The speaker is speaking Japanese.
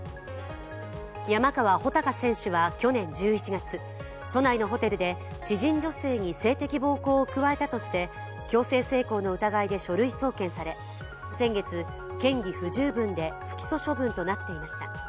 山川穂高選手は去年１１月都内のホテルで知人女性に性的暴行を加えたとして強制性交の疑いで書類送検され、先月、嫌疑不十分で不起訴処分となっていました。